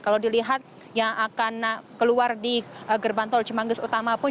kalau dilihat yang akan keluar di gerbantol cemanggis utama pun